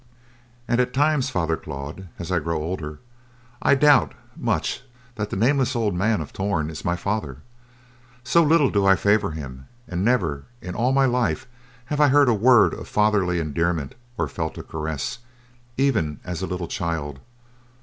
"And at times, Father Claude, as I grow older, I doubt much that the nameless old man of Torn is my father, so little do I favor him, and never in all my life have I heard a word of fatherly endearment or felt a caress, even as a little child.